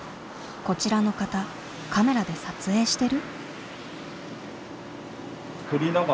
こちらの方カメラで撮影してる？